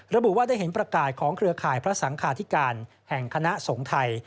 ระบุว่าได้เห็นประกาศของเครือข่ายพระสังคาธิการแห่งคณะสงฆ์ไทย